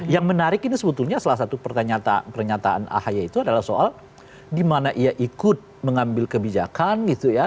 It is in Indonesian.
yang menarik ini sebetulnya salah satu pernyataan ahy itu adalah soal di mana ia ikut mengambil kebijakan gitu ya